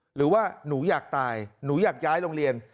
หรือว่าหนูอยากตายหนูอยากย้ายโรงเรียน